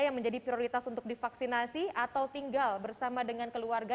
yang menjadi prioritas untuk divaksinasi atau tinggal bersama dengan keluarga